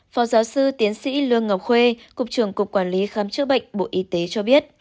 phó giáo sư tiến sĩ lương ngọc khuê cục trưởng cục quản lý khám chữa bệnh bộ y tế cho biết